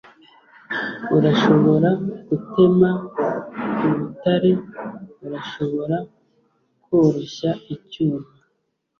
urashobora gutema urutare, urashobora koroshya icyuma